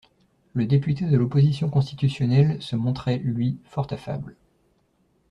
Le député de l'opposition constitutionnelle se montrait, lui, fort affable.